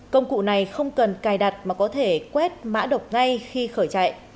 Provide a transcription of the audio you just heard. công cụ này không cần cài đặt mà có thể quét mã độc ngay khi khởi chạy